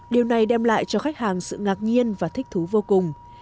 điều này đem lại cho khách hàng sự ngạc nhiên và thích thú vô cùng